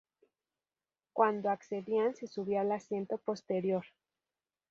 Cuando accedían, se subía al asiento posterior.